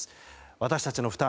私たちの負担